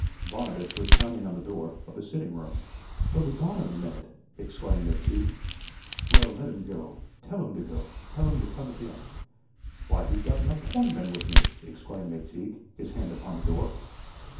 Vanovitch was pounding on the door of the sitting room. "He'll be gone in a minute," exclaimed McTeague. "Well, let him go. Tell him to go; tell him to come again." "Why, he's got an APPOINTMENT with me," exclaimed McTeague, his hand upon the door.